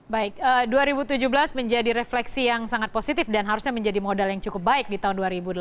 baik dua ribu tujuh belas menjadi refleksi yang sangat positif dan harusnya menjadi modal yang cukup baik di tahun dua ribu delapan belas